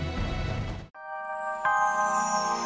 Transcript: masalahnya lana dulu